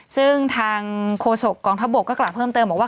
ซึ่งทางโฆษกองทัพบกก็กล่าวเพิ่มเติมบอกว่า